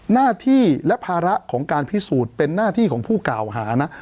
หน้าที่และภาระของการพิสูจน์เป็นหน้าที่ของผู้กล่าวหานะ